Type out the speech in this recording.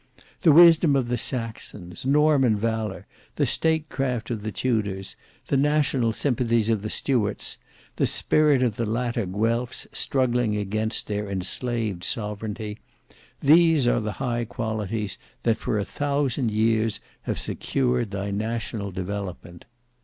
The wisdom of the Saxons, Norman valour, the state craft of the Tudors, the national sympathies of the Stuarts, the spirit of the latter Guelphs struggling against their enslaved sovereignty,—these are the high qualities, that for a thousand years have secured thy national developement.